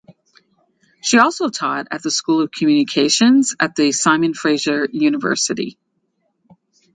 She also taught at the School of Communications at the Simon Fraser University.